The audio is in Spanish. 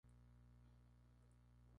No regresó por el resto de la temporada.